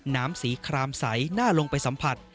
น้ำสีครามใสน่าลงไปสัมผัส